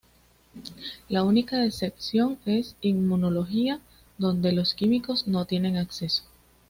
La única excepción es Inmunología, donde los químicos no tienen acceso.